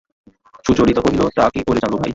সুচরিতা কহিল, তা কি করে জানব ভাই!